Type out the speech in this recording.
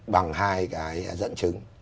bằng hai cái dẫn chứng